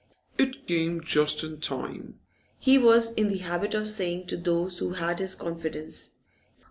'It came just in time,' he was in the habit of saying to those who had his confidence.